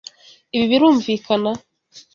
Ibi birumvikana?